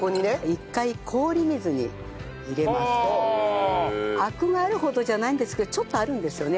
一回アクがあるほどじゃないんですけどちょっとあるんですよね